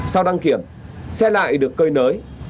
sau đăng kiểm xe lại được cây nới